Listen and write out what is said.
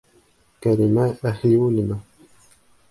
Кәримә ӘҺЛИУЛЛИНА